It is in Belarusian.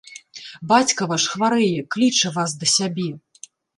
Бацька ваш хварэе, кліча вас да сябе.